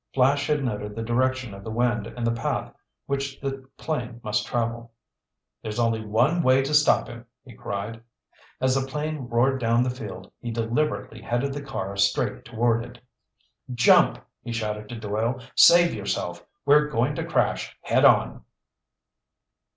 Flash had noted the direction of the wind and the path which the plane must travel. "There's one way to stop him!" he cried. As the plane roared down the field, he deliberately headed the car straight toward it. "Jump!" he shouted to Doyle. "Save yourself! We're going to crash head on!"